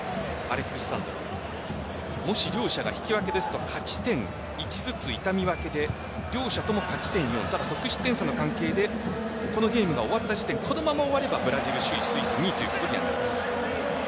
もし、両者が引き分けだと勝ち点１ずつ、痛み分けで両者とも勝ち点４ただ得失点差の関係でこのゲームが終わった時点このまま終わればブラジル首位スイス２位ということになります。